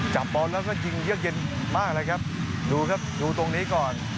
จับบอลแล้วก็ยิงเยือกเย็นมากเลยครับดูครับดูตรงนี้ก่อน